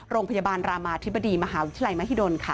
โรงพยาบาลรามาธิบดีมหาวิทยาลัยมหิดลค่ะ